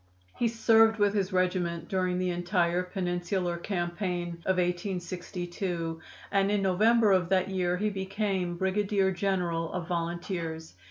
He served with his regiment during the entire Peninsular campaign of 1862, and in November of that year he became brigadier general of volunteers.